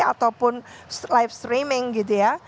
ataupun live streaming gitu ya